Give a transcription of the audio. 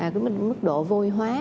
cái mức độ vôi hóa